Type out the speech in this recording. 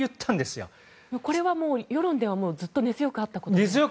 これは世論では根強くあったことですね。